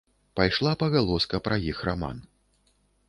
Пайшла пагалоска пра іх раман.